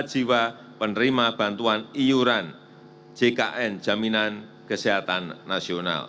empat jiwa penerima bantuan iuran jkn jaminan kesehatan nasional